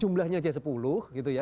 jumlahnya aja sepuluh gitu ya